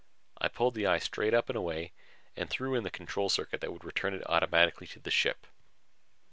I pulled the eye straight up and away and threw in the control circuit that would return it automatically to the ship.